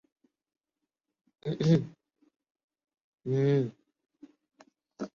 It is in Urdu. ابو ظہبی ٹیسٹ پاکستان کو سنسنی خیزمقابلے کے بعد رنز سے شکست